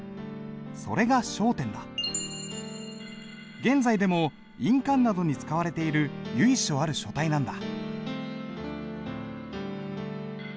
それが現在でも印鑑などに使われている由緒ある書体なんだ。